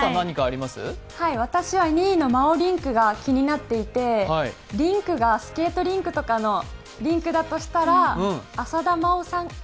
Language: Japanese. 私は２位のＭＡＯＲＩＮＫが気になっていてリンクがスケートリンクとかのリンクだとしたら浅田真央さん